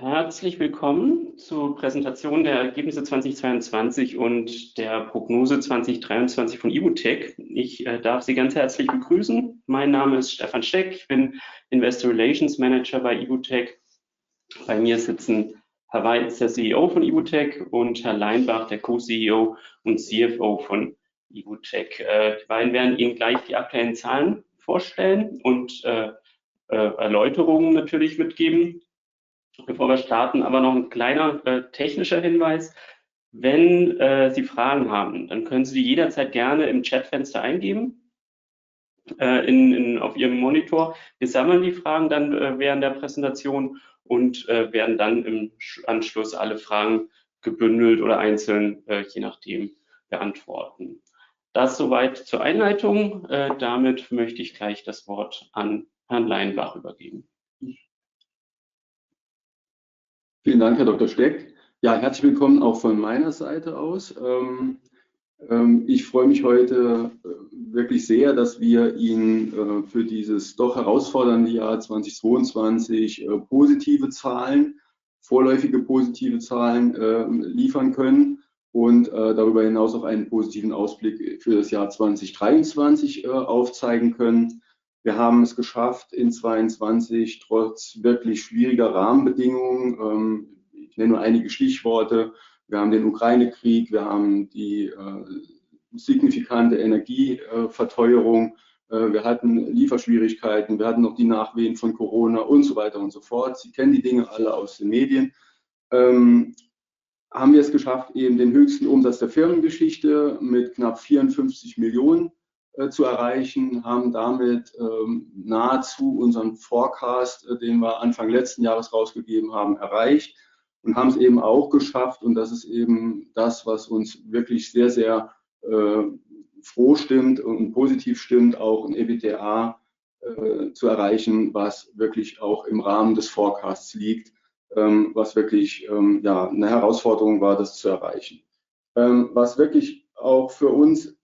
Herzlich willkommen zur Präsentation der Ergebnisse 2022 und der Prognose 2023 von IBU-tec. Ich darf Sie ganz herzlich begrüßen. Mein Name ist Stefan Steck. Ich bin Investor Relations Manager bei IBU-tec. Bei mir sitzen Herr Weitz, der CEO von IBU-tec und Herr Leinenbach, der Co-CEO und CFO von IBU-tec. Die beiden werden Ihnen gleich die aktuellen Zahlen vorstellen und Erläuterungen natürlich mitgeben. Bevor wir starten aber noch ein kleiner technischer Hinweis: Wenn Sie Fragen haben, dann können Sie die jederzeit gerne im Chatfenster eingeben auf Ihrem Monitor. Wir sammeln die Fragen dann während der Präsentation und werden dann im Anschluss alle Fragen gebündelt oder einzeln je nachdem beantworten. Das so weit zur Einleitung. Damit möchte ich gleich das Wort an Herrn Leinenbach übergeben. r Dr. Steck. Ja, herzlich willkommen auch von meiner Seite aus. Ich freue mich heute wirklich sehr, dass wir Ihnen für dieses doch herausfordernde Jahr 2022 positive Zahlen, vorläufige positive Zahlen, liefern können und darüber hinaus auch einen positiven Ausblick für das Jahr 2023 aufzeigen können. Wir haben es geschafft, in 2022 trotz wirklich schwieriger Rahmenbedingungen. Ich nenne nur einige Stichworte: Wir haben den Ukrainekrieg, wir haben die signifikante Energieverteuerung, wir hatten Lieferschwierigkeiten, wir hatten noch die Nachwehen von Corona und so weiter und so fort. Sie kennen die Dinge alle aus den Medien. Haben wir es geschafft, eben den höchsten Umsatz der Firmengeschichte mit knapp 54 million zu erreichen, haben damit nahezu unseren Forecast, den wir Anfang letzten Jahres rausgegeben haben, erreicht und haben's eben auch geschafft, und das ist eben das, was uns wirklich sehr froh stimmt und positiv stimmt auch, ein EBITDA zu erreichen, was wirklich auch im Rahmen des Forecasts liegt, was wirklich ja, ne Herausforderung war, das zu erreichen. Was wirklich auch für uns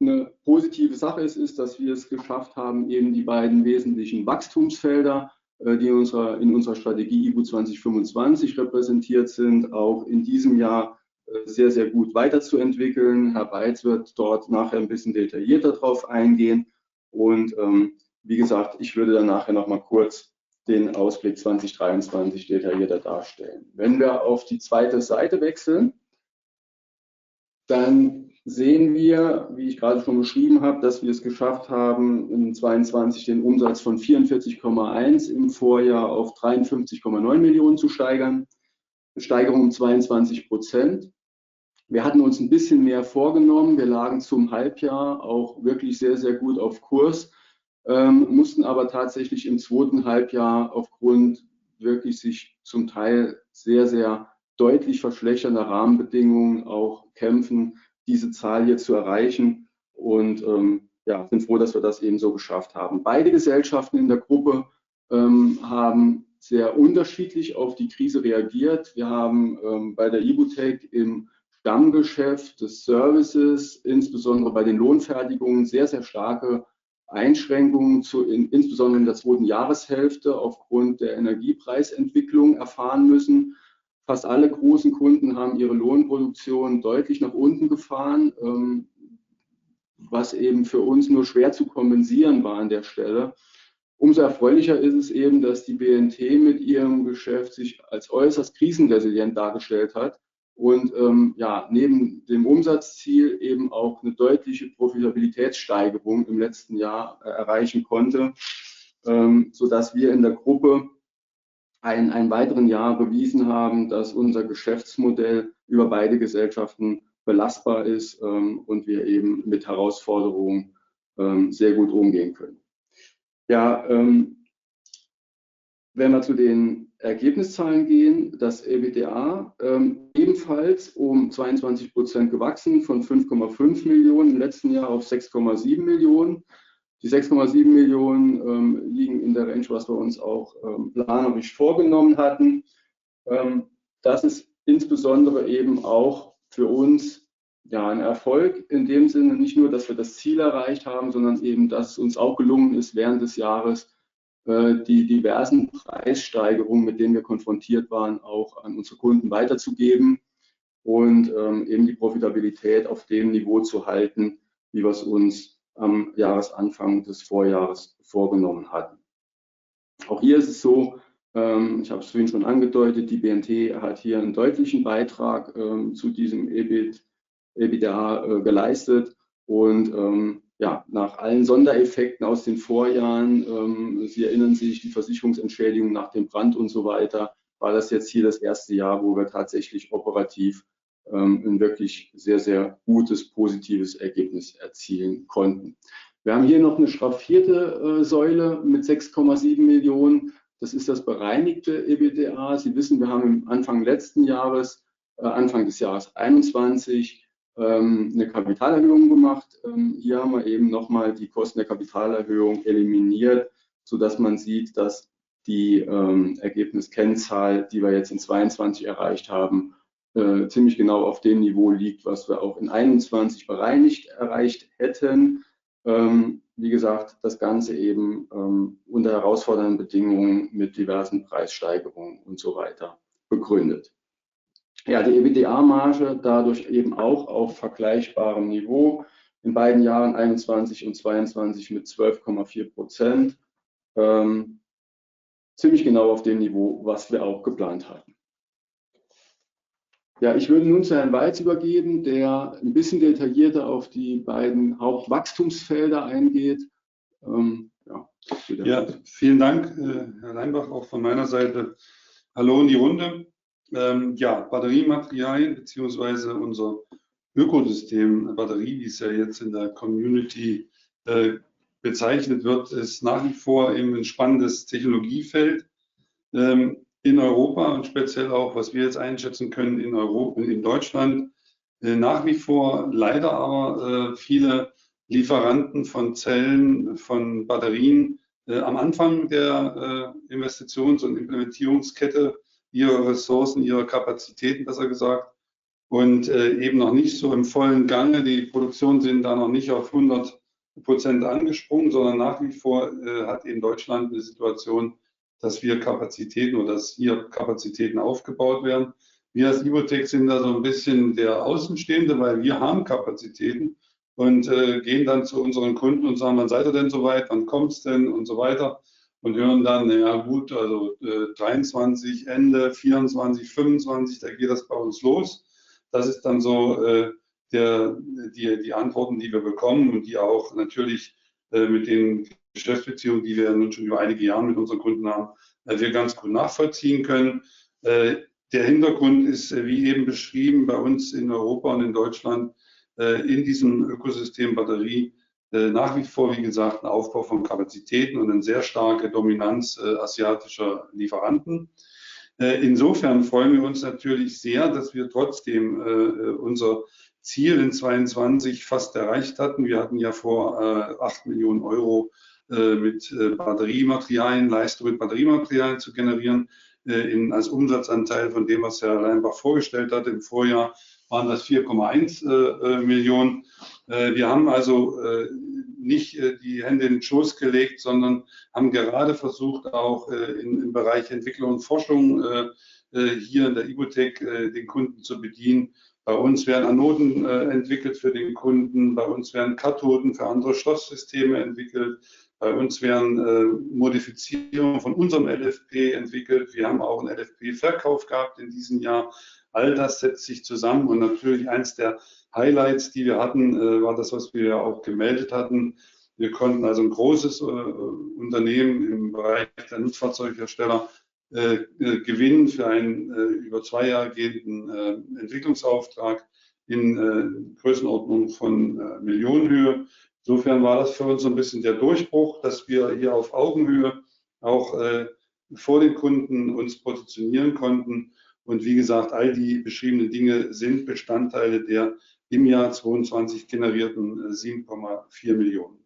ne positive Sache ist, dass wir es geschafft haben, eben die beiden wesentlichen Wachstumsfelder, die in unserer, in unserer Strategie IBU2025 repräsentiert sind, auch in diesem Jahr sehr gut weiterzuentwickeln. Herr Weitz wird dort nachher ein bisschen detaillierter drauf eingehen und, wie gesagt, ich würde dann nachher noch mal kurz den Ausblick 2023 detaillierter darstellen. Wenn wir auf die zweite Seite wechseln, dann sehen wir, wie ich gerade schon beschrieben hab, dass wir es geschafft haben, in 2022 den Umsatz von EUR 44.1 million im Vorjahr auf 53.9 million zu steigern. Steigerung um 22%. Wir hatten uns ein bisschen mehr vorgenommen. Wir lagen zum Halbjahr auch wirklich sehr gut auf Kurs, mussten aber tatsächlich im zweiten Halbjahr aufgrund wirklich sich zum Teil sehr deutlich verschlechternder Rahmenbedingungen auch kämpfen, diese Zahl hier zu erreichen und, ja, sind froh, dass wir das eben so geschafft haben. Beide Gesellschaften in der Gruppe haben sehr unterschiedlich auf die Krise reagiert. Wir haben bei der IBU-tec im Stammgeschäft des Services, insbesondere bei den Lohnfertigungen, sehr starke Einschränkungen insbesondere in der zweiten Jahreshälfte aufgrund der Energiepreisentwicklung erfahren müssen. Fast alle großen Kunden haben ihre Lohnproduktion deutlich nach unten gefahren, was eben für uns nur schwer zu kompensieren war an der Stelle. Umso erfreulicher ist es eben, dass die BNT mit ihrem Geschäft sich als äußerst krisenresilient dargestellt hat und neben dem Umsatzziel eben auch 'ne deutliche Profitabilitätssteigerung im letzten Jahr erreichen konnte, sodass wir in der Gruppe ein weiteres Jahr bewiesen haben, dass unser Geschäftsmodell über beide Gesellschaften belastbar ist und wir eben mit Herausforderungen sehr gut umgehen können. Wenn wir zu den Ergebniszahlen gehen, das EBITDA ebenfalls um 22% gewachsen von 5.5 million im letzten Jahr auf 6.7 million. Die 6.7 million liegen in der Range, was wir uns auch planungsmäßig vorgenommen hatten. Das ist insbesondere eben auch für uns, ja, ein Erfolg in dem Sinne, nicht nur, dass wir das Ziel erreicht haben, sondern eben, dass es uns auch gelungen ist, während des Jahres, die diversen Preissteigerungen, mit denen wir konfrontiert waren, auch an unsere Kunden weiterzugeben und, eben die Profitabilität auf dem Niveau zu halten, wie wir's uns am Jahresanfang des Vorjahres vorgenommen hatten. Auch hier ist es so, ich hab's vorhin schon angedeutet, die BNT hat hier einen deutlichen Beitrag, zu diesem EBIT, EBITDA, geleistet und, ja, nach allen Sondereffekten aus den Vorjahren, Sie erinnern sich, die Versicherungsentschädigung nach dem Brand und so weiter, war das jetzt hier das erste Jahr, wo wir tatsächlich operativ, ein wirklich sehr gutes, positives Ergebnis erzielen konnten. Wir haben hier noch 'ne schraffierte, Säule mit 6.7 million. Das ist das bereinigte EBITDA. Sie wissen, wir haben Anfang des Jahres 2021 'ne Kapitalerhöhung gemacht. Hier haben wir eben noch mal die Kosten der Kapitalerhöhung eliminiert, sodass man sieht, dass die Ergebniskennzahl, die wir jetzt in 2022 erreicht haben. Ziemlich genau auf dem Niveau liegt, was wir auch in 2021 bereinigt erreicht hätten. Wie gesagt, das Ganze eben unter herausfordernden Bedingungen mit diversen Preissteigerungen und so weiter begründet. Die EBITDA-Marge dadurch eben auch auf vergleichbarem Niveau in beiden Jahren 2021 and 2022 mit 12.4%, ziemlich genau auf dem Niveau, was wir auch geplant hatten. Ich würde nun zu Herrn Weitz übergeben, der ein bisschen detaillierter auf die beiden Hauptwachstumsfelder eingeht. Ja. Vielen Dank, Herr Leinenbach auch von meiner Seite. Hallo in die Runde. Batteriematerialien beziehungsweise unser Ökosystem Batterie, wie es jetzt in der Community bezeichnet wird, ist nach wie vor ein spannendes Technologiefeld in Europa und speziell auch, was wir jetzt einschätzen können, in Europa, in Deutschland. Nach wie vor leider aber viele Lieferanten von Zellen, von Batterien am Anfang der Investitions- und Implementierungskette ihre Ressourcen, ihre Kapazitäten und noch nicht so im vollen Gange. Die Produktionen sind da noch nicht auf 100% angesprungen, sondern nach wie vor hat Deutschland die Situation, dass wir Kapazitäten aufgebaut werden. Wir als IBU-tec sind da so ein bisschen der Außenstehende, weil wir haben Kapazitäten und gehen dann zu unseren Kunden und sagen: "Wann seid ihr denn so weit? Wann kommt's denn?" So weiter und hören dann: "Na ja, gut, also, 2023, Ende 2024, 2025, da geht das bei uns los." Das ist dann so, der, die Antworten, die wir bekommen und die auch natürlich, mit den Geschäftsbeziehungen, die wir nun schon über einige Jahre mit unseren Kunden haben, wir ganz gut nachvollziehen können. Der Hintergrund ist, wie eben beschrieben, bei uns in Europa und in Deutschland, in diesem Ökosystem Batterie, nach wie vor, wie gesagt, ein Aufbau von Kapazitäten und eine sehr starke Dominanz, asiatischer Lieferanten. Insofern freuen wir uns natürlich sehr, dass wir trotzdem, unser Ziel in 2022 fast erreicht hatten. Wir hatten ja vor, 8 million euro, mit Batteriematerialien, Leistung mit Batteriematerialien zu generieren, in, als Umsatzanteil von dem, was Herr Leinenbach vorgestellt hat. Im Vorjahr waren das 4.1 million. Wir haben also nicht die Hände in den Schoß gelegt, sondern haben gerade versucht, auch im Bereich Entwicklung und Forschung hier in der IBU-tec den Kunden zu bedienen. Bei uns werden Anoden entwickelt für den Kunden, bei uns werden Kathoden für andere Schlossysteme entwickelt, bei uns werden Modifizierungen von unserem LFP entwickelt. Wir haben auch einen LFP-Verkauf gehabt in diesem Jahr. All das setzt sich zusammen und natürlich eins der Highlights, die wir hatten, war das, was wir auch gemeldet hatten: Wir konnten also ein großes Unternehmen im Bereich der Nutzfahrzeughersteller gewinnen für einen über 2 Jahre gehenden Entwicklungsauftrag in Größenordnung von Millionenhöhe. Das war für uns so ein bisschen der Durchbruch, dass wir hier auf Augenhöhe auch vor den Kunden uns positionieren konnten. Wie gesagt, all die beschriebenen Dinge sind Bestandteile der im Jahr 2022 generierten 7.4 million.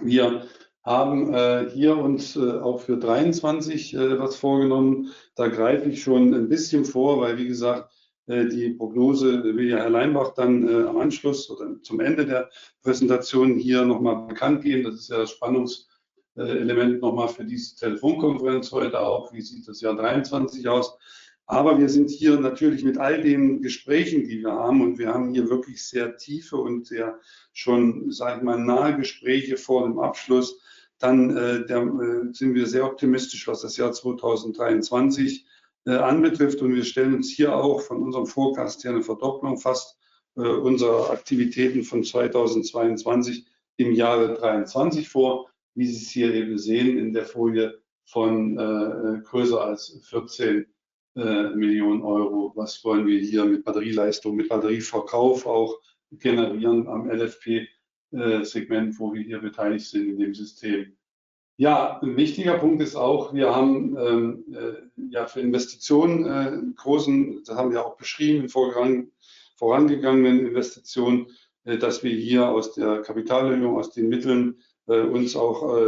Wir haben hier uns auch für 2023 was vorgenommen. Da greife ich schon ein bisschen vor, weil wie gesagt, die Prognose will ja Herr Leinenbach dann am Anschluss oder zum Ende der Präsentation hier noch mal bekannt geben. Das ist ja das Spannungselement noch mal für diese Telefonkonferenz heute auch: Wie sieht das Jahr 2023 aus? Wir sind hier natürlich mit all den Gesprächen, die wir haben und wir haben hier wirklich sehr tiefe und sehr schon, sagt man, nahe Gespräche vor dem Abschluss, dann, da sind wir sehr optimistisch, was das Jahr 2023 anbetrifft. Wir stellen uns hier auch von unserem Forecast her eine Verdopplung fast unserer Aktivitäten von 2022 im Jahre 2023 vor, wie Sie es hier eben sehen in der Folie von größer als 14 million euro. Was wollen wir hier mit Batterieleistung, mit Batterieverkauf auch generieren am LFP Segment, wo wir hier beteiligt sind in dem System. Ja, ein wichtiger Punkt ist auch: Wir haben ja für Investitionen großen, das haben wir auch beschrieben, im Vorrang, vorangegangenen Investitionen, dass wir hier aus der Kapitalerhöhung, aus den Mitteln, uns auch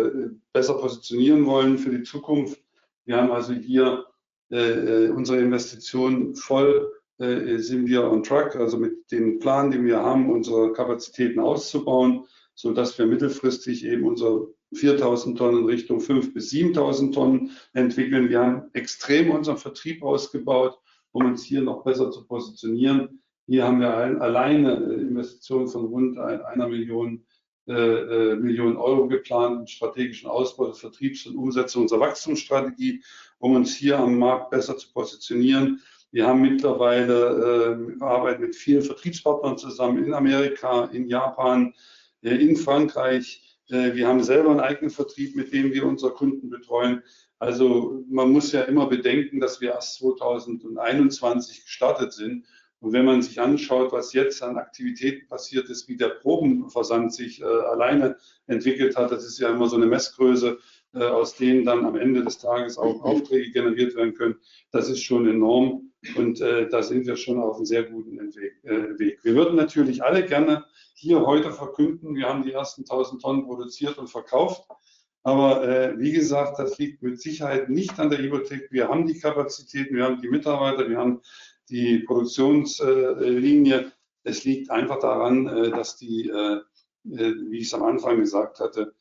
besser positionieren wollen für die Zukunft. Wir haben also hier unsere Investitionen voll, sind wir on track, also mit dem Plan, den wir haben, unsere Kapazitäten auszubauen, sodass wir mittelfristig eben unsere 4,000 tons in Richtung 5,000-7,000 tons entwickeln. Wir haben extrem unseren Vertrieb ausgebaut, um uns hier noch besser zu positionieren. Hier haben wir allein Investitionen von rund 1 Million euro geplant, einen strategischen Ausbau des Vertriebs und Umsetzung unserer Wachstumsstrategie, um uns hier am Markt besser zu positionieren. Wir haben mittlerweile, wir arbeiten mit vielen Vertriebspartnern zusammen in Amerika, in Japan, in Frankreich. Wir haben selber einen eigenen Vertrieb, mit dem wir unsere Kunden betreuen. Also man muss ja immer bedenken, dass wir erst 2021 gestartet sind. Und wenn man sich anschaut, was jetzt an Aktivität passiert ist, wie der Probenversand sich alleine entwickelt hat, das ist ja immer so eine Messgröße, aus denen dann am Ende des Tages auch Aufträge generiert werden können. Das ist schon enorm und da sind wir schon auf einem sehr guten Weg. Wir würden natürlich alle gerne hier heute verkünden: Wir haben die ersten 1,000 tons produziert und verkauft. Wie gesagt, das liegt mit Sicherheit nicht an der Evotec. Wir haben die Kapazitäten, wir haben die Mitarbeiter, wir haben die Produktionslinie. Es liegt einfach daran, dass die, wie ich es am Anfang gesagt hatte,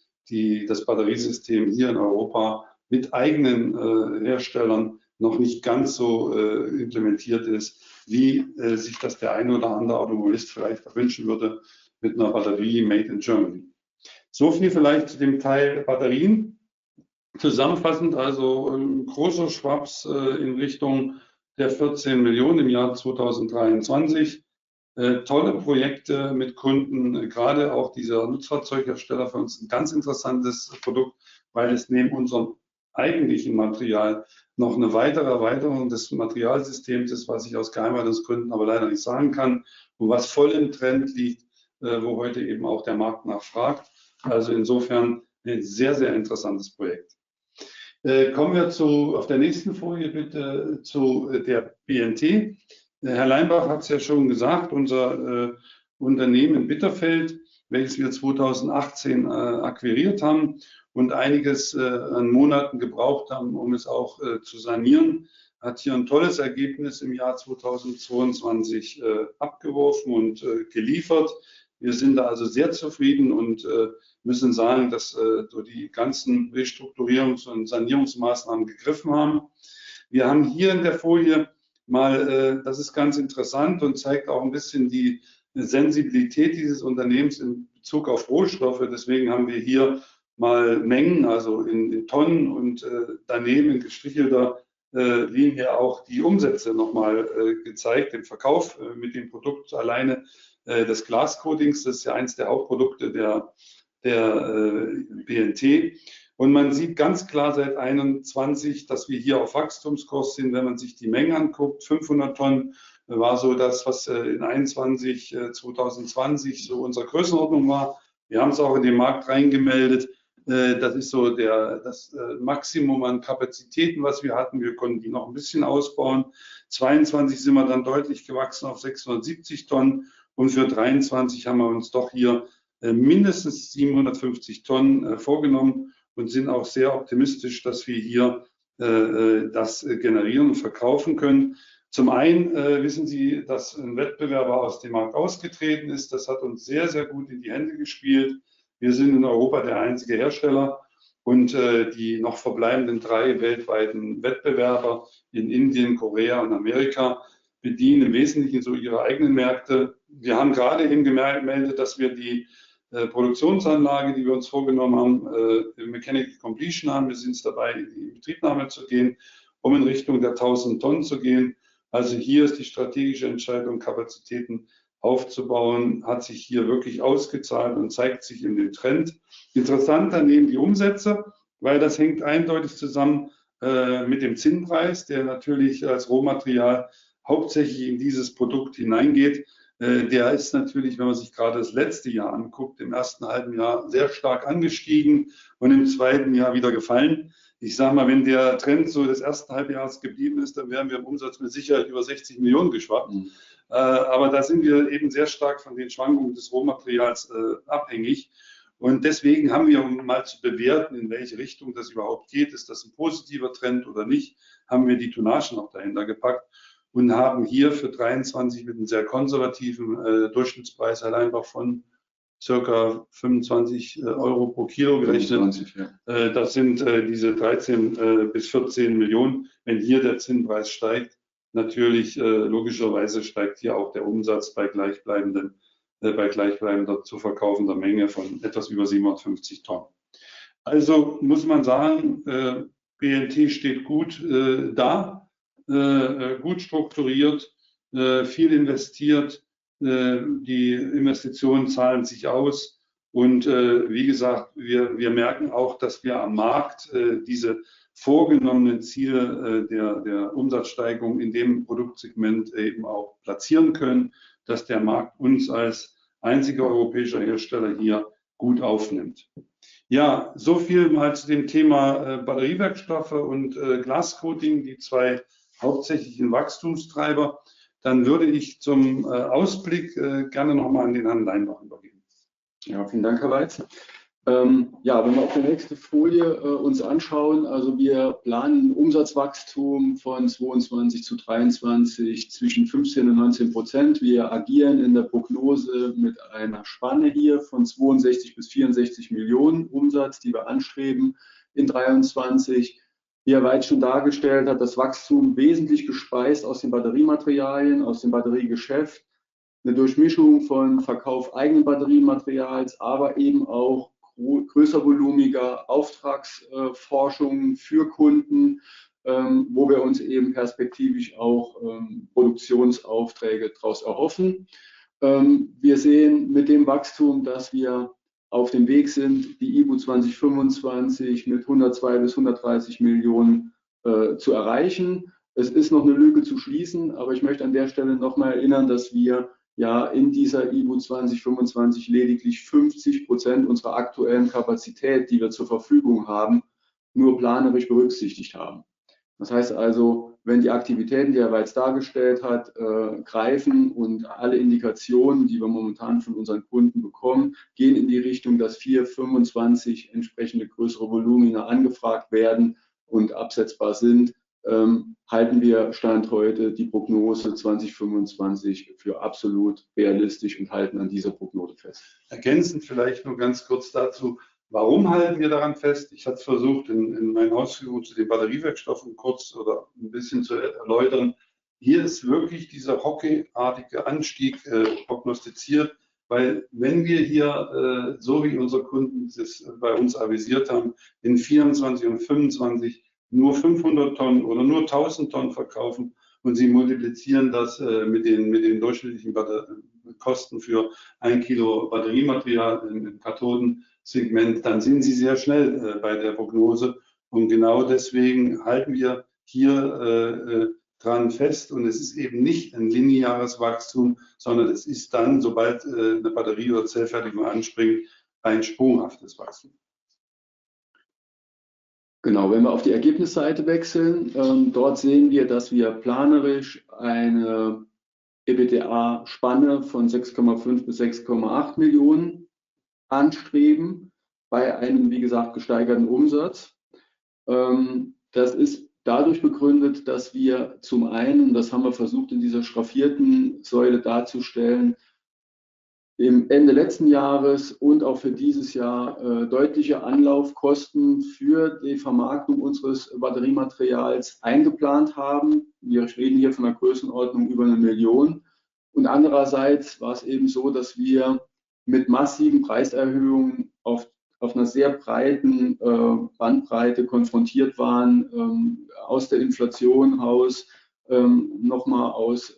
das Batteriesystem hier in Europa mit eigenen Herstellern noch nicht ganz so implementiert ist, wie sich das der eine oder andere Automobilist vielleicht wünschen würde mit einer Batterie made in Germany. Viel vielleicht zu dem Teil Batterien. Zusammenfassend ein großer Schwaps in Richtung der 14 million im Jahr 2023. Tolle Projekte mit Kunden, gerade auch dieser Nutzfahrzeughersteller für uns ein ganz interessantes Produkt, weil es neben unserem eigentlichen Material noch eine weitere Erweiterung des Materialsystems ist, was ich aus Geheimhaltungsgründen aber leider nicht sagen kann und was voll im Trend liegt, wo heute eben auch der Markt nach fragt. Insofern ein sehr interessantes Projekt. Kommen wir zu, auf der nächsten Folie bitte, zu der BNT. Herr Leinenbach hat es ja schon gesagt, unser Unternehmen in Bitterfeld, welches wir 2018 akquiriert haben und einiges an Monaten gebraucht haben, um es auch zu sanieren, hat hier ein tolles Ergebnis im Jahr 2022 abgeworfen und geliefert. Wir sind da sehr zufrieden und müssen sagen, dass so die ganzen Restrukturierungs- und Sanierungsmaßnahmen gegriffen haben. Wir haben hier in der Folie mal, das ist ganz interessant und zeigt auch ein bisschen die Sensibilität dieses Unternehmens in Bezug auf Rohstoffe. Deswegen haben wir hier mal Mengen, also in Tonnen und daneben in gestrichelt da, wie hier auch die Umsätze noch mal gezeigt, den Verkauf mit dem Produkt alleine, des Glas Coatings. Das ist ja eins der Hauptprodukte der BNT. Man sieht ganz klar seit 2021, dass wir hier auf Wachstumskurs sind, wenn man sich die Menge anguckt, 500 tons war so das, was in 2021, 2020 so unsere Größenordnung war. Wir haben es auch in den Markt reingemeldet. Das ist so der, das Maximum an Kapazitäten, was wir hatten. Wir konnten die noch ein bisschen ausbauen. 2022 sind wir dann deutlich gewachsen auf 670 tons. Für 2023 haben wir uns doch hier mindestens 750 tons vorgenommen und sind auch sehr optimistisch, dass wir hier das generieren und verkaufen können. Zum einen wissen Sie, dass ein Wettbewerber aus dem Markt ausgetreten ist. Das hat uns sehr gut in die Hände gespielt. Wir sind in Europa der einzige Hersteller. Die noch verbleibenden drei weltweiten Wettbewerber in Indien, Korea und Amerika bedienen im Wesentlichen so ihre eigenen Märkte. Wir haben gerade eben gemeldet, dass wir die Produktionsanlagen, die wir uns vorgenommen haben, im Mechanical Completion haben. Wir sind dabei, in die Inbetriebnahme zu gehen, um in Richtung der 1,000 tons zu gehen. Also hier ist die strategische Entscheidung, Kapazitäten aufzubauen, hat sich hier wirklich ausgezahlt und zeigt sich in dem Trend. Interessant daneben die Umsätze, weil das hängt eindeutig zusammen mit dem Zinnpreis, der natürlich als Rohmaterial hauptsächlich in dieses Produkt hineingeht. Der ist natürlich, wenn man sich gerade das letzte Jahr anguckt, im ersten halben Jahr sehr stark angestiegen und im zweiten Jahr wieder gefallen. Ich sage mal, wenn der Trend so des ersten Halbjahres geblieben ist, dann wären wir im Umsatz mit Sicherheit über 60 million geschwappt. Aber da sind wir eben sehr stark von den Schwankungen des Rohmaterials abhängig. Deswegen haben wir, um mal zu bewerten, in welche Richtung das überhaupt geht, ist das ein positiver Trend oder nicht, haben wir die Tonnagen auch dahinter gepackt und haben hier für 23 mit einem sehr konservativen Durchschnittspreis halt einfach von circa 25 pro Kilo gerechnet. 25, ja. Das sind diese 13 million-14 million. Wenn hier der Zinnpreis steigt, natürlich, logischerweise steigt hier auch der Umsatz bei gleichbleibenden, bei gleichbleibend zu verkaufender Menge von etwas über 750 tons. Also muss man sagen, BNT steht gut da, gut strukturiert, viel investiert. Die Investitionen zahlen sich aus. Wie gesagt, wir merken auch, dass wir am Markt diese vorgenommenen Ziele der Umsatzsteigerung in dem Produktsegment eben auch platzieren können, dass der Markt uns als einziger europäischer Hersteller hier gut aufnimmt. So viel mal zu dem Thema Batteriewerkstoffe und Glas Coating, die 2 hauptsächlichen Wachstumstreiber. Ich würde zum Ausblick gerne noch mal an den Herr Leinenbach übergeben. Vielen Dank, Herr Weitz. wenn wir auf der nächsten Folie uns anschauen. Wir planen ein Umsatzwachstum von 2022 to 2023 zwischen 15%-19%. Wir agieren in der Prognose mit einer Spanne hier von 62 million-64 million Umsatz, die wir anstreben in 2023. Wie Herr Weitz schon dargestellt hat, das Wachstum wesentlich gespeist aus den Batteriematerialien, aus dem Batteriegeschäft. Eine Durchmischung von Verkauf eigenen Batteriematerials, aber eben auch größer volumiger Auftragsforschung für Kunden, wo wir uns eben perspektivisch auch Produktionsaufträge draus erhoffen. Wir sehen mit dem Wachstum, dass wir auf dem Weg sind, die IBU2025 mit 102 million-130 million zu erreichen. Es ist noch eine Lücke zu schließen, aber ich möchte an der Stelle noch mal erinnern, dass wir ja in dieser IBU2025 lediglich 50% unserer aktuellen Kapazität, die wir zur Verfügung haben, nur planerisch berücksichtigt haben. Das heißt also, wenn die Aktivitäten, die Herr Weitz dargestellt hat, greifen und alle Indikationen, die wir momentan von unseren Kunden bekommen, gehen in die Richtung, dass 2025 entsprechende größere Volumina angefragt werden und absetzbar sind, halten wir Stand heute die Prognose 2025 für absolut realistisch und halten an dieser Prognose fest. Ergänzend vielleicht noch ganz kurz dazu: Warum halten wir daran fest? Ich hatte versucht, in meinen Ausführungen zu den Batteriewerkstoffen kurz oder ein bisschen zu erläutern: Hier ist wirklich dieser hockeyartige Anstieg prognostiziert, weil wenn wir hier, so wie unsere Kunden es bei uns avisiert haben, in 2024 und 2025 nur 500 tons oder nur 1,000 tons verkaufen und Sie multiplizieren das mit den durchschnittlichen Kosten für 1 kilo Batteriematerial im Kathodensegment, dann sind Sie sehr schnell bei der Prognose. Genau deswegen halten wir hier dran fest. Es ist eben nicht ein lineares Wachstum, sondern es ist dann, sobald eine Batterie oder Zellfertigung anspringt, ein sprunghaftes Wachstum. Genau, wenn wir auf die Ergebnisseite wechseln, dort sehen wir, dass wir planerisch eine EBITDA-Spanne von 6.5 million-6.8 million anstreben bei einem, wie gesagt, gesteigerten Umsatz. Das ist dadurch begründet, dass wir zum einen, das haben wir versucht in dieser schraffierten Säule darzustellen, im Ende letzten Jahres und auch für dieses Jahr, deutliche Anlaufkosten für die Vermarktung unseres Batteriematerials eingeplant haben. Wir reden hier von einer Größenordnung über 1 million. Andererseits war es eben so, dass wir mit massiven Preiserhöhungen auf einer sehr breiten Bandbreite konfrontiert waren, aus der Inflation heraus, noch mal aus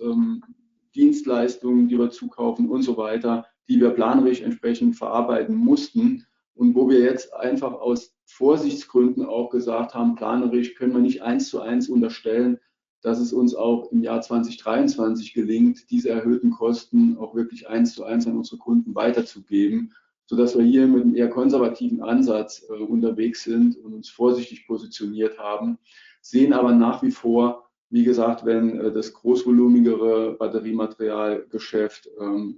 Dienstleistungen, die wir zukaufen und so weiter, die wir planerisch entsprechend verarbeiten mussten und wo wir jetzt einfach aus Vorsichtsgründen auch gesagt haben, planerisch können wir nicht 1 zu 1 unterstellen, dass es uns auch im Jahr 2023 gelingt, diese erhöhten Kosten auch wirklich 1 zu 1 an unsere Kunden weiterzugeben, sodass wir hier mit einem eher konservativen Ansatz unterwegs sind und uns vorsichtig positioniert haben, sehen aber nach wie vor, wie gesagt, wenn das großvolumigere Batteriematerialgeschäft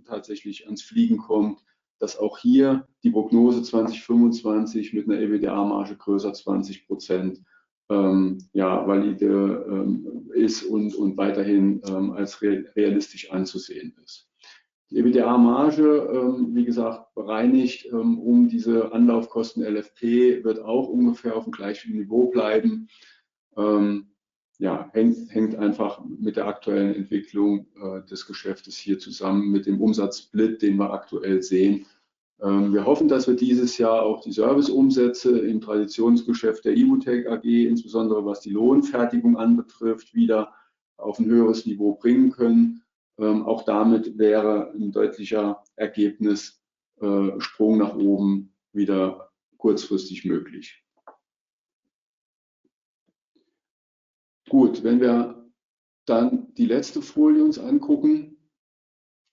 tatsächlich ins Fliegen kommt, dass auch hier die Prognose 2025 mit einer EBITDA-Marge größer 20% ja, valide ist und weiterhin als re-realistisch anzusehen ist. Die EBITDA-Marge, wie gesagt, bereinigt um diese Anlaufkosten LFP wird auch ungefähr auf dem gleichen Niveau bleiben. Ja, hängt einfach mit der aktuellen Entwicklung des Geschäftes hier zusammen, mit dem Umsatzsplit, den wir aktuell sehen. Wir hoffen, dass wir dieses Jahr auch die Serviceumsätze im Traditionsgeschäft der IwoTech AG, insbesondere was die Lohnfertigung anbetrifft, wieder auf ein höheres Niveau bringen können. Auch damit wäre ein deutlicher Ergebnissprung nach oben wieder kurzfristig möglich. Gut, wenn wir dann die letzte Folie uns angucken: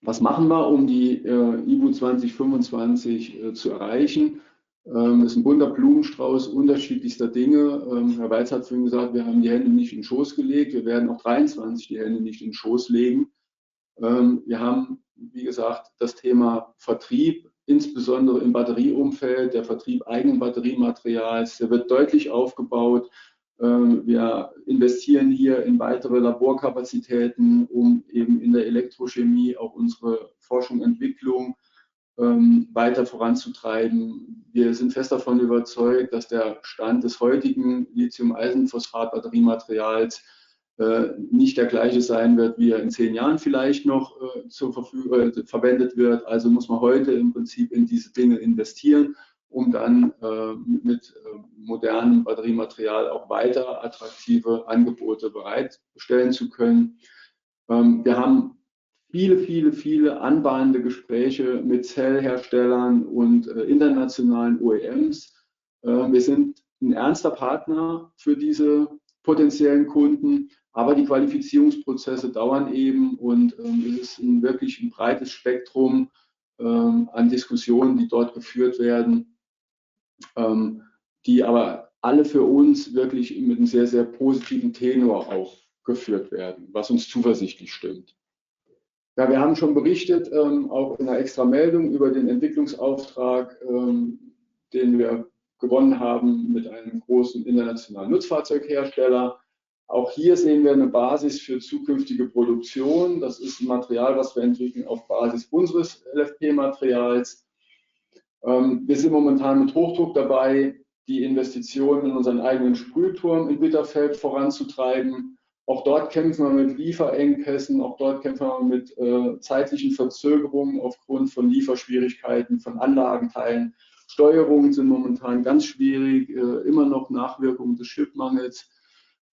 Was machen wir, um die IBU2025 zu erreichen? Das ist ein bunter Blumenstrauß unterschiedlichster Dinge. Herr Weitz hat schon gesagt, wir haben die Hände nicht in den Schoß gelegt. Wir werden auch 2023 die Hände nicht in den Schoß legen. Wir haben, wie gesagt, das Thema Vertrieb, insbesondere im Batterieumfeld, der Vertrieb eigenen Batteriematerials, der wird deutlich aufgebaut. Wir investieren hier in weitere Laborkapazitäten, um eben in der Elektrochemie auch unsere Forschung und Entwicklung weiter voranzutreiben. Wir sind fest davon überzeugt, dass der Stand des heutigen Lithium-Eisenphosphat-Batteriematerials nicht der gleiche sein wird, wie er in 10 Jahren vielleicht noch verwendet wird. Muss man heute im Prinzip in diese Dinge investieren, um dann mit modernem Batteriematerial auch weiter attraktive Angebote bereitstellen zu können. Wir haben viele, viele anbahnende Gespräche mit Zellherstellern und internationalen OEMs. Wir sind ein ernster Partner für diese potenziellen Kunden, aber die Qualifizierungsprozesse dauern eben und, es ist ein wirklich ein breites Spektrum an Diskussionen, die dort geführt werden, die aber alle für uns wirklich mit einem sehr positiven Tenor auch geführt werden, was uns zuversichtlich stimmt. Ja, wir haben schon berichtet, auch in einer extra Meldung über den Entwicklungsauftrag, den wir gewonnen haben, mit einem großen internationalen Nutzfahrzeughersteller. Auch hier sehen wir eine Basis für zukünftige Produktion. Das ist ein Material, was wir entwickeln auf Basis unseres LFP-Materials. Wir sind momentan mit Hochdruck dabei, die Investitionen in unseren eigenen Sprühturm in Bitterfeld voranzutreiben. Auch dort kämpfen wir mit Lieferengpässen. Auch dort kämpfen wir mit zeitlichen Verzögerungen aufgrund von Lieferschwierigkeiten von Anlagenteilen. Steuerungen sind momentan ganz schwierig, immer noch Nachwirkungen des Chipmangels.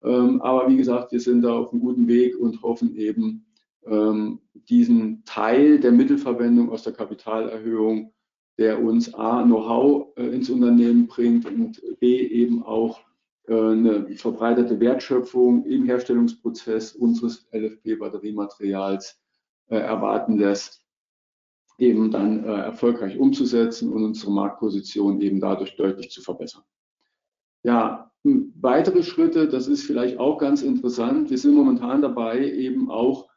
Wie gesagt, wir sind da auf einem guten Weg und hoffen eben, diesen Teil der Mittelverwendung aus der Kapitalerhöhung, der uns A Know-how ins Unternehmen bringt und B eben auch, eine verbreiterte Wertschöpfung im Herstellungsprozess unseres LFP-Batteriematerials erwarten lässt. Eben dann erfolgreich umzusetzen und unsere Marktposition eben dadurch deutlich zu verbessern. Weitere Schritte, das ist vielleicht auch ganz interessant. Wir sind momentan dabei, eben auch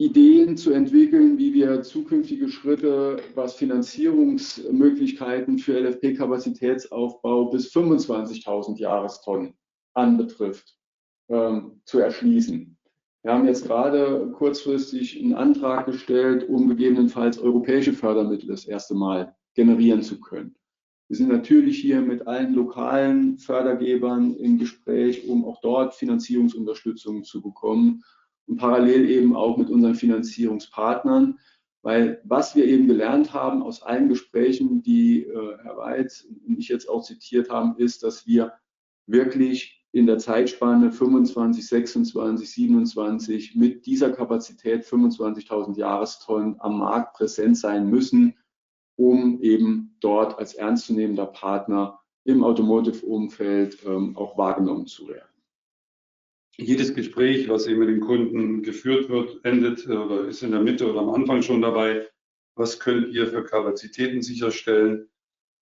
Ideen zu entwickeln, wie wir zukünftige Schritte, was Finanzierungsmöglichkeiten für LFP-Kapazitätsaufbau bis 25,000 Jahrestonnen anbetrifft, zu erschließen. Wir haben jetzt gerade kurzfristig einen Antrag gestellt, um gegebenenfalls europäische Fördermittel das erste Mal generieren zu können. Wir sind natürlich hier mit allen lokalen Fördergebern im Gespräch, um auch dort Finanzierungsunterstützung zu bekommen und parallel eben auch mit unseren Finanzierungspartnern. Was wir eben gelernt haben aus allen Gesprächen, die Herr Weitz und ich jetzt auch zitiert haben, ist, dass wir wirklich in der Zeitspanne 2025, 2026, 2027 mit dieser Kapazität 25,000 Jahrestonnen am Markt präsent sein müssen, um eben dort als ernstzunehmender Partner im Automotive Umfeld auch wahrgenommen zu werden. Jedes Gespräch, was eben mit den Kunden geführt wird, endet oder ist in der Mitte oder am Anfang schon dabei: Was könnt ihr für Kapazitäten sicherstellen?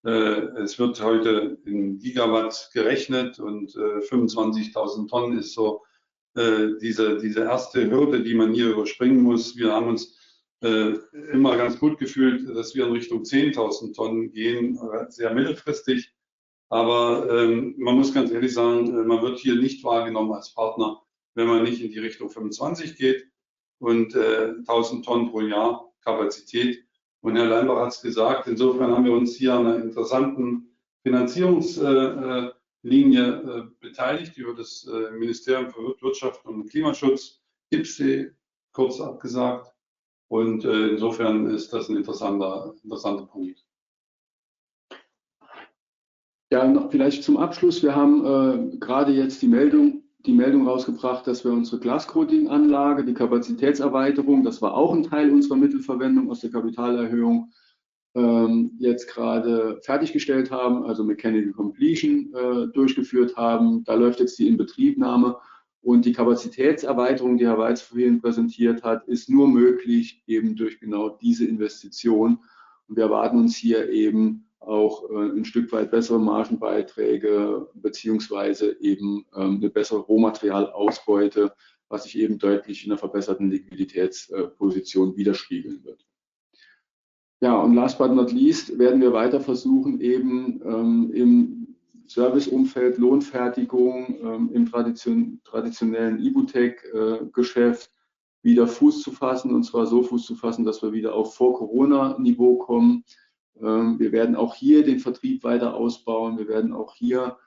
Es wird heute in Gigawatt gerechnet und 25,000 tons ist so, diese erste Hürde, die man hier überspringen muss. Wir haben uns immer ganz gut gefühlt, dass wir in Richtung 10,000 tons gehen, sehr mittelfristig. Aber, man muss ganz ehrlich sagen, man wird hier nicht wahrgenommen als Partner, wenn man nicht in die Richtung 25 geht und 1,000 tons pro Jahr Kapazität. Herr Leinenbach hat's gesagt, insofern haben wir uns hier an einer interessanten Finanzierungs Linie beteiligt über das Bundesministerium für Wirtschaft und Klimaschutz, IPCEI, kurz abgesagt, insofern ist das ein interessanter Punkt. Noch vielleicht zum Abschluss: Wir haben gerade jetzt die Meldung rausgebracht, dass wir unsere Glascoating-Anlage, die Kapazitätserweiterung, das war auch ein Teil unserer Mittelverwendung aus der Kapitalerhöhung, jetzt gerade fertiggestellt haben, also Mechanical Completion durchgeführt haben. Da läuft jetzt die Inbetriebnahme und die Kapazitätserweiterung, die Herr Weitz vorhin präsentiert hat, ist nur möglich eben durch genau diese Investition und wir erwarten uns hier eben auch ein Stück weit bessere Margenbeiträge beziehungsweise eben eine bessere Rohmaterialausbeute, was sich eben deutlich in der verbesserten Liquiditätsposition widerspiegeln wird. Last but not least werden wir weiter versuchen, eben im Serviceumfeld Lohnfertigung im traditionellen IBU-tec Geschäft wieder Fuß zu fassen und zwar so Fuß zu fassen, dass wir wieder auf Vor-Corona Niveau kommen. Wir werden auch hier den Vertrieb weiter ausbauen. Wir werden auch hier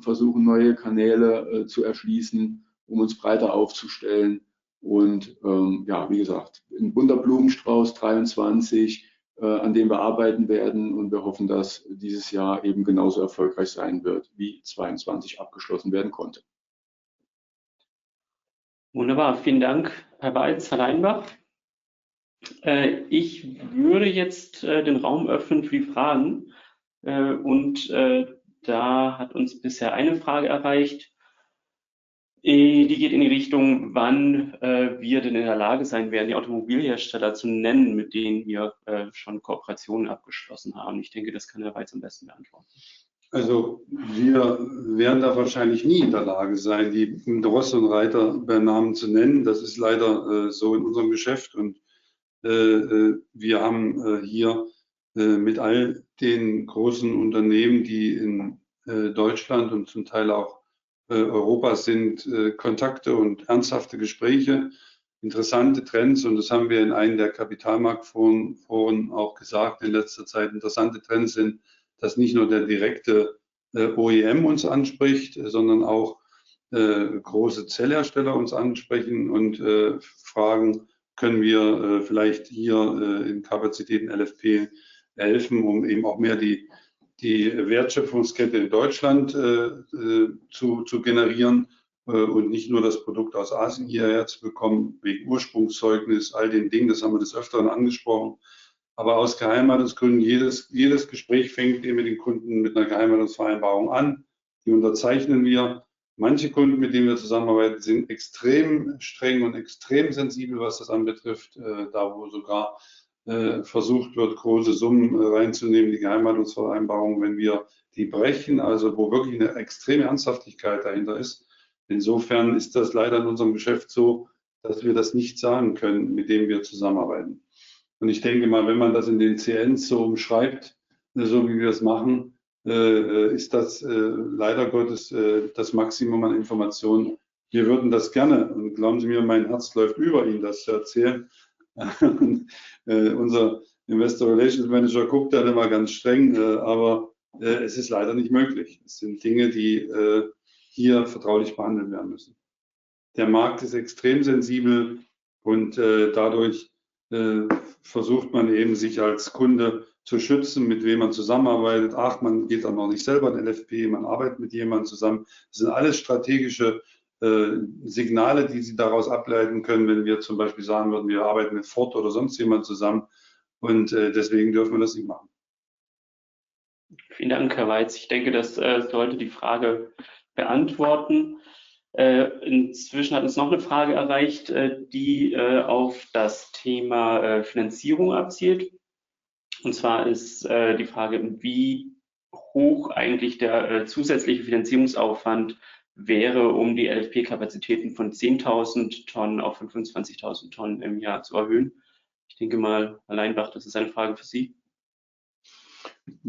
versuchen, neue Kanäle zu erschließen, um uns breiter aufzustellen. Ja, wie gesagt, ein bunter Blumenstrauß 2023, an dem wir arbeiten werden und wir hoffen, dass dieses Jahr eben genauso erfolgreich sein wird, wie 2022 abgeschlossen werden konnte. Wunderbar. Vielen Dank, Herr Weitz, Herr Leinenbach. Ich würde jetzt den Raum öffnen für die Fragen, und da hat uns bisher eine Frage erreicht. Die geht in die Richtung, wann wir denn in der Lage sein werden, die Automobilhersteller zu nennen, mit denen wir schon Kooperationen abgeschlossen haben. Ich denke, das kann Herr Weitz am besten beantworten. Wir werden da wahrscheinlich nie in der Lage sein, die Ross und Reiter bei Namen zu nennen. Das ist leider so in unserem Geschäft. Wir haben hier mit all den großen Unternehmen, die in Deutschland und zum Teil auch Europa sind, Kontakte und ernsthafte Gespräche, interessante Trends und das haben wir in einem der Kapitalmarktforen auch gesagt in letzter Zeit. Interessante Trends sind, dass nicht nur der direkte OEM uns anspricht, sondern auch große Zellhersteller uns ansprechen und fragen: Können wir vielleicht hier in Kapazitäten LFP helfen, um eben auch mehr die Wertschöpfungskette in Deutschland zu generieren und nicht nur das Produkt aus Asien hierher zu bekommen, wegen Ursprungszeugnis, all den Dingen, das haben wir des Öfteren angesprochen, aber aus Geheimhaltungsgründen, jedes Gespräch fängt eben mit den Kunden mit einer Geheimhaltungsvereinbarung an. Die unterzeichnen wir. Manche Kunden, mit denen wir zusammenarbeiten, sind extrem streng und extrem sensibel, was das anbetrifft, da, wo sogar versucht wird, große Summen reinzunehmen in die Geheimhaltungsvereinbarung, wenn wir die brechen, also wo wirklich eine extreme Ernsthaftigkeit dahinter ist. Insofern ist das leider in unserem Geschäft so, dass wir das nicht sagen können, mit wem wir zusammenarbeiten. Ich denke mal, wenn man das in den CN so umschreibt, so wie wir es machen, ist das leider Gottes das Maximum an Information. Wir würden das gerne und glauben Sie mir, mein Herz läuft über, Ihnen das zu erzählen. Unser Investor Relations Manager guckt da immer ganz streng, aber es ist leider nicht möglich. Es sind Dinge, die hier vertraulich behandelt werden müssen. Der Markt ist extrem sensibel und dadurch versucht man eben, sich als Kunde zu schützen, mit wem man zusammenarbeitet. Ach, man geht auch nicht selber an LFP, man arbeitet mit jemandem zusammen. Das sind alles strategische Signale, die Sie daraus ableiten können, wenn wir zum Beispiel sagen würden, wir arbeiten mit Ford oder sonst jemand zusammen und deswegen dürfen wir das nicht machen. Vielen Dank, Herr Weitz. Ich denke, das sollte die Frage beantworten. Inzwischen hat uns noch eine Frage erreicht, die auf das Thema Finanzierung abzielt. Und zwar ist die Frage, wie hoch eigentlich der zusätzliche Finanzierungsaufwand wäre, um die LFP-Kapazitäten von 10,000 tons auf 25,000 tons im Jahr zu erhöhen. Ich denke mal, Herr Leinenbach, das ist eine Frage für Sie.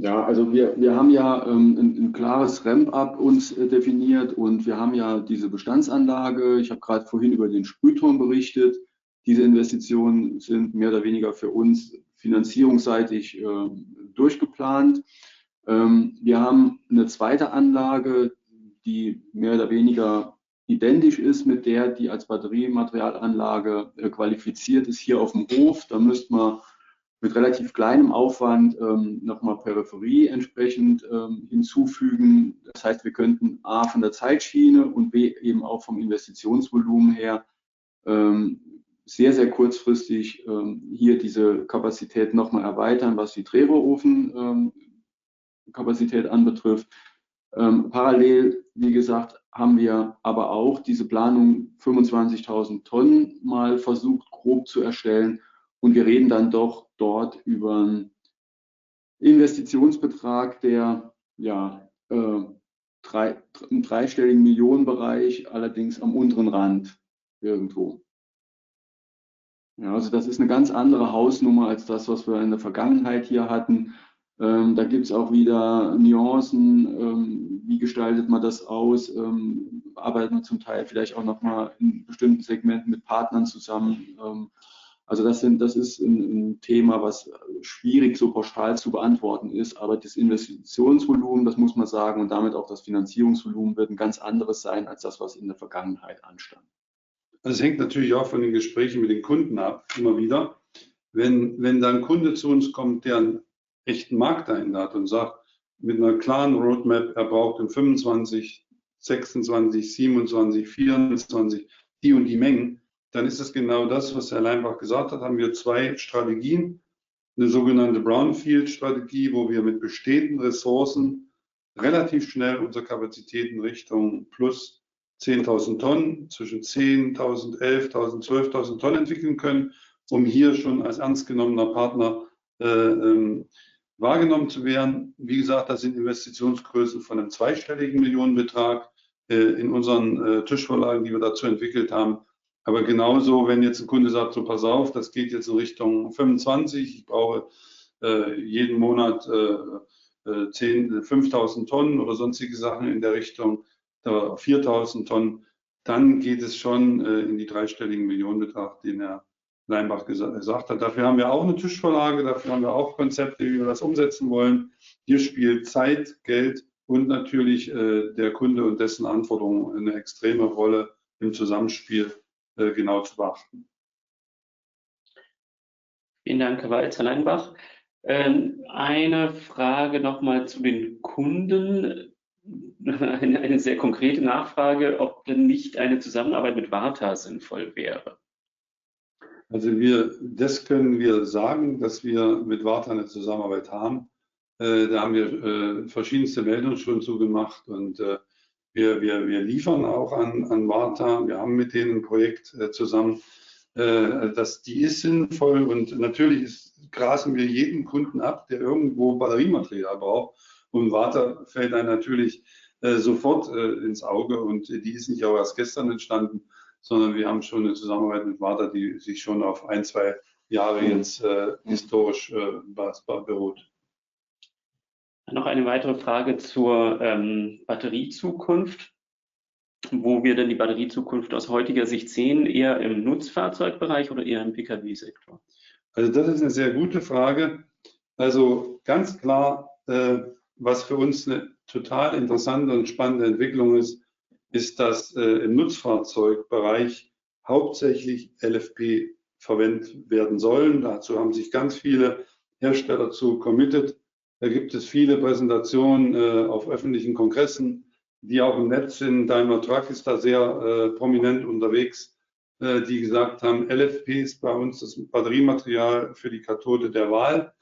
Also wir haben ja ein klares Ramp-up uns definiert und wir haben ja diese Bestandsanlage. Ich hab grad vorhin über den Sprühturm berichtet. Diese Investitionen sind mehr oder weniger für uns finanzierungsseitig durchgeplant. Wir haben eine zweite Anlage, die mehr oder weniger identisch ist mit der, die als Batteriematerialanlage qualifiziert ist hier auf dem Hof. Da müssten wir mit relativ kleinem Aufwand noch mal Peripherie entsprechend hinzufügen. Das heißt, wir könnten A, von der Zeitschiene und B, eben auch vom Investitionsvolumen her, sehr kurzfristig hier diese Kapazität noch mal erweitern, was die Drehrohrofen-Kapazität anbetrifft. Parallel, wie gesagt, haben wir aber auch diese Planung 25,000 tons mal versucht grob zu erstellen und wir reden dann doch dort über einen Investitionsbetrag, der im EUR three-digit million range, allerdings am unteren Rand irgendwo. Das ist eine ganz andere Hausnummer als das, was wir in der Vergangenheit hier hatten. Da gibt's auch wieder Nuancen, wie gestaltet man das aus? Arbeitet man zum Teil vielleicht auch noch mal in bestimmten Segmenten mit Partnern zusammen. Das ist ein Thema, was schwierig so pauschal zu beantworten ist. Aber das Investitionsvolumen, das muss man sagen und damit auch das Finanzierungsvolumen wird ein ganz anderes sein als das, was in der Vergangenheit anstand. Es hängt natürlich auch von den Gesprächen mit den Kunden ab, immer wieder. Wenn da ein Kunde zu uns kommt, der einen echten Markteinlad hat und sagt, mit einer klaren Roadmap, er braucht in 2025, 2026, 2027, 2024 die und die Mengen, dann ist es genau das, was Herr Leinenbach gesagt hat, haben wir zwei Strategien: ne sogenannte Brownfield-Strategie, wo wir mit bestehenden Ressourcen relativ schnell unsere Kapazitäten Richtung +10,000 tons zwischen 10,000, 11,000, 12,000 tons entwickeln können, um hier schon als ernst genommener Partner wahrgenommen zu werden. Wie gesagt, das sind Investitionsgrößen von einem zweistelligen Millionenbetrag in unseren Tischvorlagen, die wir dazu entwickelt haben. Genauso, wenn jetzt ein Kunde sagt: "So, pass auf, das geht jetzt in Richtung 2025. Ich brauche jeden Monat 10, 5,000 tons oder sonstige Sachen in der Richtung, oder 4,000 tons." Es geht schon in die three-digit million amount, den Herr Leinenbach gesagt hat. Wir haben auch 'ne Tischvorlage, dafür haben wir auch Konzepte, wie wir das umsetzen wollen. Hier spielt Zeit, Geld und natürlich der Kunde und dessen Anforderungen eine extreme Rolle im Zusammenspiel genau zu beachten. Vielen Dank, Herr Weitz, Herr Leinenbach. Eine Frage noch mal zu den Kunden. Eine sehr konkrete Nachfrage, ob denn nicht eine Zusammenarbeit mit VARTA sinnvoll wäre. Wir, das können wir sagen, dass wir mit VARTA eine Zusammenarbeit haben. Wir haben verschiedenste Meldungen schon zu gemacht und wir liefern auch an VARTA. Wir haben mit denen ein Projekt zusammen. Die ist sinnvoll und natürlich grasen wir jeden Kunden ab, der irgendwo Batteriematerial braucht und VARTA fällt da natürlich sofort ins Auge und die ist nicht auch erst gestern entstanden, sondern wir haben schon eine Zusammenarbeit mit VARTA, die sich schon auf 1, 2 Jahre jetzt historisch beruht. Noch eine weitere Frage zur Batteriezukunft. Wo wir denn die Batteriezukunft aus heutiger Sicht sehen, eher im Nutzfahrzeugbereich oder eher im PKW-Sektor? Das ist eine sehr gute Frage. Ganz klar, was für uns 'ne total interessante und spannende Entwicklung ist, dass im Nutzfahrzeugbereich hauptsächlich LFP verwendet werden sollen. Dazu haben sich ganz viele Hersteller zu committet. Da gibt es viele Präsentationen auf öffentlichen Kongressen, die auch im Netz sind. Daimler Truck ist da sehr prominent unterwegs, die gesagt haben, LFP ist bei uns das Batteriematerial für die Kathode der Wahl,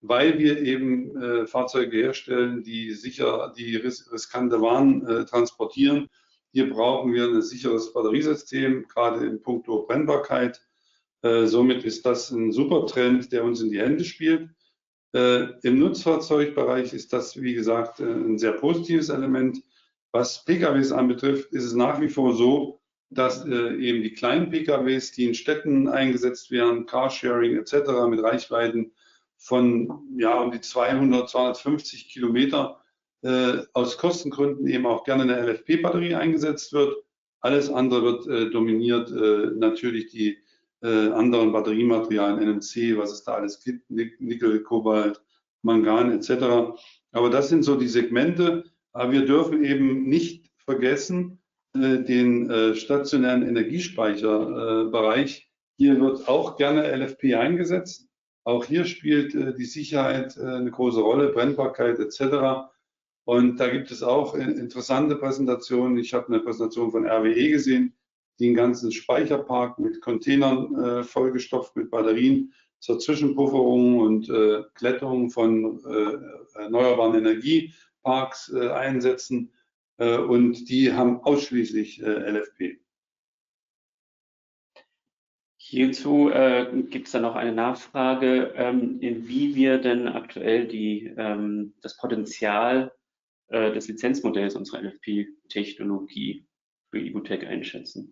weil wir eben Fahrzeuge herstellen, die sicher die riskante Waren transportieren. Hier brauchen wir ein sicheres Batteriesystem, gerade in puncto Brennbarkeit. Somit ist das ein Supertrend, der uns in die Hände spielt. Im Nutzfahrzeugbereich ist das, wie gesagt, ein sehr positives Element. Was PKWs anbetrifft, ist es nach wie vor so, dass eben die kleinen PKWs, die in Städten eingesetzt werden, Carsharing et cetera, mit Reichweiten von, ja, um die 200, 250 Kilometer aus Kostengründen eben auch gerne 'ne LFP-Batterie eingesetzt wird. Alles andere wird dominiert, natürlich die anderen Batteriematerialien, NMC, was es da alles gibt, Nickel, Kobalt, Mangan et cetera. Das sind so die Segmente. Wir dürfen eben nicht vergessen, den stationären Energiespeicher-bereich. Hier wird auch gerne LFP eingesetzt. Auch hier spielt die Sicherheit eine große Rolle, Brennbarkeit et cetera. Und da gibt es auch interessante Präsentationen. Ich hab 'ne Präsentation von RWE gesehen, die 'n ganzen Speicherpark mit Containern vollgestopft mit Batterien zur Zwischenpufferung und Glättung von erneuerbaren Energieparks einsetzen, und die haben ausschließlich LFP. Hierzu gibt's dann noch eine Nachfrage, in wie wir denn aktuell die das Potenzial des Lizenzmodells unserer LFP-Technologie für IBU-tec einschätzen?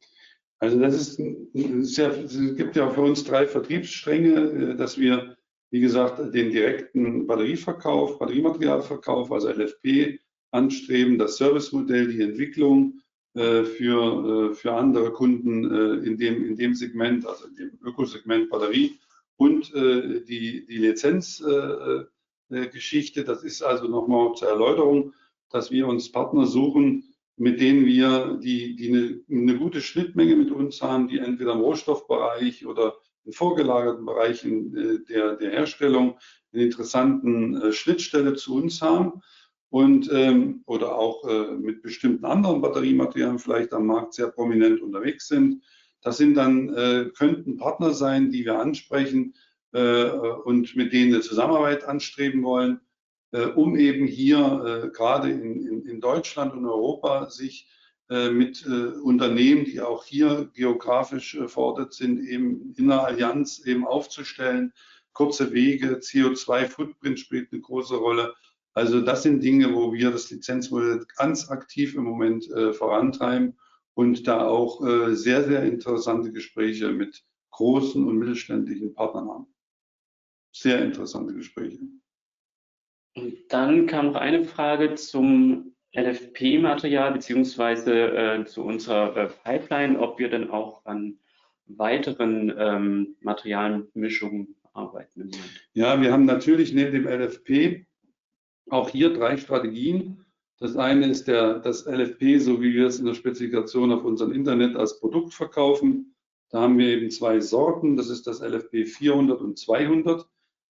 Das ist, es gibt ja für uns drei Vertriebsstränge, dass wir, wie gesagt, den direkten Batterieverkauf, Batteriematerialverkauf, also LFP anstreben, das Servicemodell, die Entwicklung für andere Kunden in dem, in dem Segment, also in dem Ökosegment Batterie und die Lizenz Geschichte. Das ist noch mal zur Erläuterung, dass wir uns Partner suchen, mit denen wir die 'ne gute Schnittmenge mit uns haben, die entweder im Rohstoffbereich oder in vorgelagerten Bereichen der Herstellung 'ne interessanten Schnittstelle zu uns haben und oder auch mit bestimmten anderen Batteriematerialien vielleicht am Markt sehr prominent unterwegs sind. Das sind dann, könnten Partner sein, die wir ansprechen und mit denen wir Zusammenarbeit anstreben wollen, um eben hier, gerade in Deutschland und Europa sich mit Unternehmen, die auch hier geografisch gefordert sind, eben in einer Allianz eben aufzustellen. Kurze Wege, CO2-Footprint spielt eine große Rolle. Das sind Dinge, wo wir das Lizenzmodell ganz aktiv im Moment vorantreiben und da auch sehr interessante Gespräche mit großen und mittelständischen Partnern haben. Sehr interessante Gespräche. Dann kam noch eine Frage zum LFP material beziehungsweise zu unserer Pipeline, ob wir denn auch an weiteren material mixtures arbeiten? Wir haben natürlich neben dem LFP auch hier 3 Strategien. Das eine ist das LFP, so wie wir es in der Spezifikation auf unserem internet als Produkt verkaufen. Da haben wir eben 2 Sorten. Das ist das IBUvolt LFP400 und 200.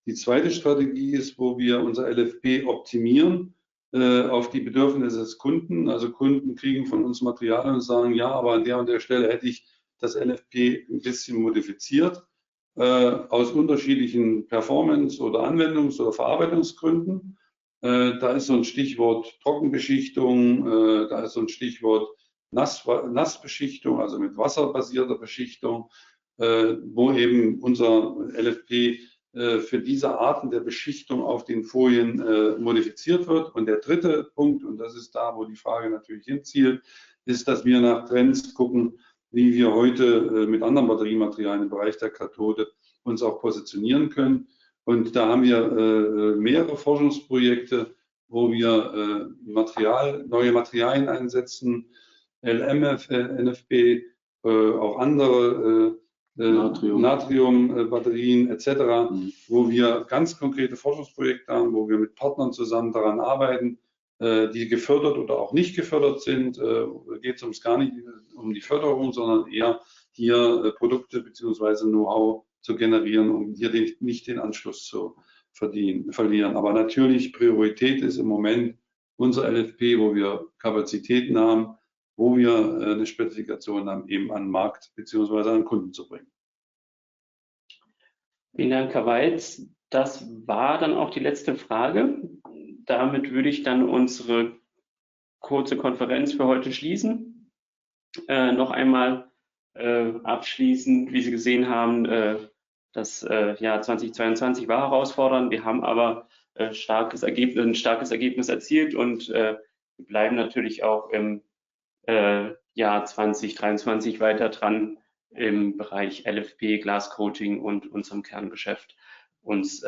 Die zweite Strategie ist, wo wir unser LFP optimieren auf die Bedürfnisse des Kunden. Kunden kriegen von uns Material und sagen: "Ja, aber an der und der Stelle hätte ich das LFP 'n bisschen modifiziert", aus unterschiedlichen Performance- oder Anwendungs- oder Verarbeitungsgründen. Da ist so 'n Stichwort Trockenbeschichtung, da ist so 'n Stichwort Nassbeschichtung, also mit wasserbasierter Beschichtung, wo eben unser LFP für diese Arten der Beschichtung auf den Folien modifiziert wird. Der dritte Punkt, und das ist da, wo die Frage natürlich hinzielt, ist, dass wir nach Trends gucken, wie wir heute mit anderen Batteriematerialien im Bereich der Kathode uns auch positionieren können. Da haben wir mehrere Forschungsprojekte, wo wir Material, neue Materialien einsetzen, LMFP, NFP, auch andere. Natrium. Natriumbatterien et cetera, wo wir ganz konkrete Forschungsprojekte haben, wo wir mit Partnern zusammen daran arbeiten, die gefördert oder auch nicht gefördert sind. Geht's uns gar nicht um die Förderung, sondern eher hier Produkte beziehungsweise Know-how zu generieren, um hier nicht den Anschluss zu verlieren. Natürlich, Priorität ist im Moment unser LFP, wo wir Kapazitäten haben, wo wir 'ne Spezifikation dann eben an den Markt beziehungsweise an Kunden zu bringen. Vielen Dank, Herr Weitz. Das war dann auch die letzte Frage. Damit würde ich dann unsere kurze Konferenz für heute schließen. Noch einmal, abschließend: Wie Sie gesehen haben, das Jahr 2022 war herausfordernd. Wir haben aber ein starkes Ergebnis erzielt und bleiben natürlich auch im Jahr 2023 weiter dran im Bereich LFP, Glas Coating und unserem Kerngeschäft, uns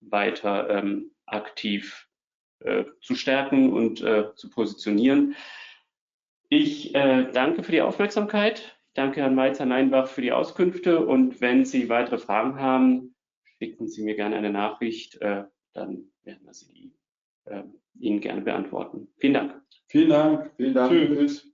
weiter aktiv zu stärken und zu positionieren. Ich danke für die Aufmerksamkeit. Danke, Herrn Weitz an Leinenbach für die Auskünfte. Wenn Sie weitere Fragen haben, schicken Sie mir gerne eine Nachricht, dann werden wir Sie Ihnen gerne beantworten. Vielen Dank. Vielen Dank, vielen Dank. Tschüss.